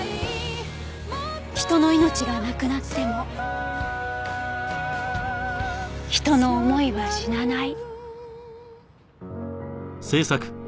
人の命がなくなっても人の思いは死なない。